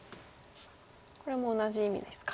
これも同じ意味ですか。